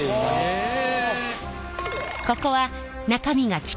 へえ。